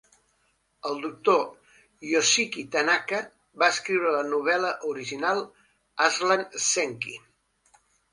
El doctor Yoshiki Tanaka va escriure la novel·la original, Arslan Senki.